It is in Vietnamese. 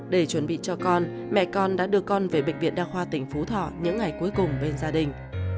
để chuẩn bị cho con mẹ con đã đưa con về bệnh viện đa khoa tỉnh phú thọ những ngày cuối cùng bên gia đình